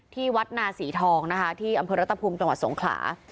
ที่วัดนาศรีทองนะคะที่อำเภอรัตภูมิจังหวัดสงขลา